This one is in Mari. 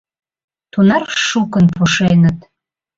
Тунар шукын пошеныт.